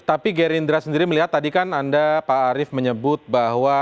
tapi gerindra sendiri melihat tadi kan anda pak arief menyebut bahwa